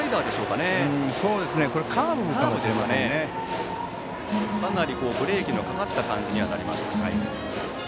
かなりブレーキのかかった感じになりました。